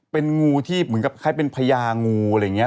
เป็นงูที่เหมือนกับคล้ายเป็นพญางูอะไรอย่างนี้